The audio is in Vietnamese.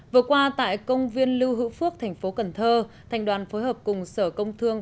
vừa qua tại công viên lưu hữu phước tp cần thơ thành đoàn phối hợp cùng sở công thương